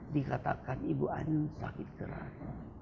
dikatakan ibu anu sakit keras